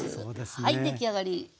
はい出来上がり。